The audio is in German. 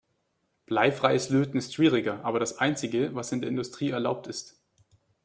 Bleifreies Löten ist schwieriger, aber das einzige, was in der Industrie erlaubt ist.